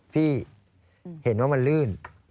พี่เห็นว่ามันลื่น